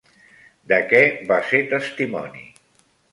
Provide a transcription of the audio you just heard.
De què va ser testimoni?